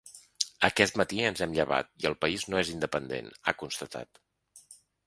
Aquest matí ens hem llevat i el país no és independent, ha constatat.